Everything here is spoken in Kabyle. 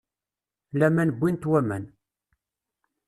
Laman wwin-t waman.